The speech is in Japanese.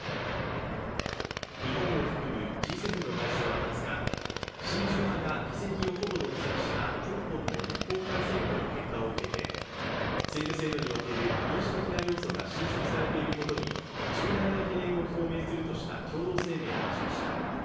日本を含むＧ７の外相は２０日、親中派が議席をほぼ独占した香港の立法会選挙の結果を受けて、民主的な要素が侵食されていることに重大な懸念を表明するとした共同声明を出しました。